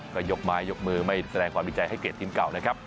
ก็ยกไม้ยกมือไม่แสดงความวิจัยให้เกรดทีมเก่านะครับ